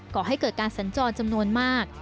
ก่อให้เกิดการสัญจรจำนวนมาก